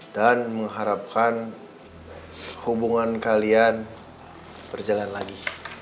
dan mengharapkan hubungan kalian berjalan lagi